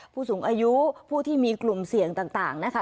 ผู้สูงอายุผู้ที่มีกลุ่มเสี่ยงต่างนะคะ